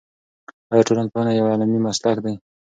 آیا ټولنپوهنه یو علمي مسلک دی؟